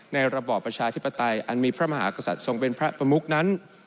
ระบอบประชาธิปไตยอันมีพระมหากษัตริย์ทรงเป็นพระประมุกนั้น